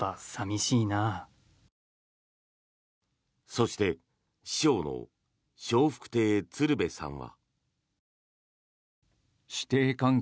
そして師匠の笑福亭鶴瓶さんは。